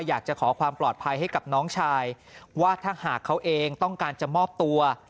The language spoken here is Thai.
อยากจะขอความปลอดภัยให้กับน้องชายว่าถ้าหากเขาเองต้องการจะมอบตัว